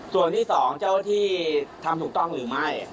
ส่วนที่สองเจ้าที่ทำถูกต้องหรือไม่